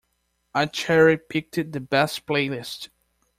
I cherry-picked the best playlist.